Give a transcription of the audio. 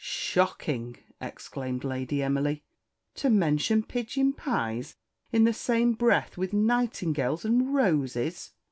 "Shocking!" exclaimed Lady Emily; "to mention pigeon pies in the same breath with nightingales and roses!"